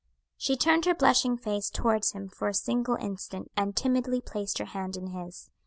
She turned her blushing face towards him for a single instant, and timidly placed her hand in his.